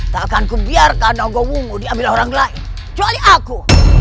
takanku biarkan nogong diambil orang lain jual aku